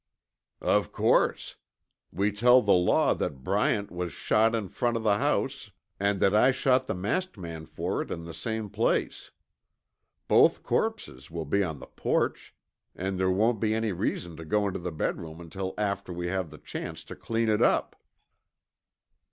"Of course. We tell the law that Bryant was shot in front of the house and that I shot the masked man for it in the same place. Both corpses will be on the porch, an' there won't be any reason to go into the bedroom until after we have the chance to clean it up."